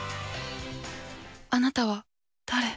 あなたは誰。